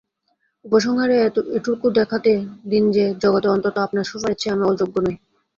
উপসংহারে এটুকু দেখাতে দিন যে, জগতে অন্তত আপনার শোফারের চেয়ে আমি অযোগ্য নই।